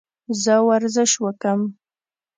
زه ورزش وکم؟